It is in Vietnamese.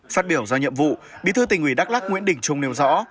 phát biểu do nhiệm vụ bí thư tỉnh ủy đắk lắc nguyễn đình trung nêu rõ